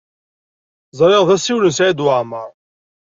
Ẓriɣ d asiwel n Saɛid Waɛmaṛ.